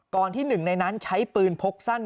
ที่หนึ่งในนั้นใช้ปืนพกสั้น